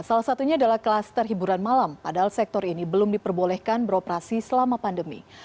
salah satunya adalah kluster hiburan malam padahal sektor ini belum diperbolehkan beroperasi selama pandemi